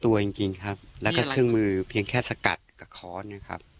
เวลาขุดเหรอครับ